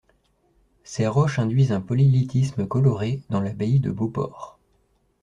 Ces roches induisent un polylithisme coloré dans l'abbaye de Beauport.